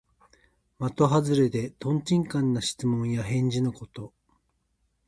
まとはずれで、とんちんかんな質問や返事のこと。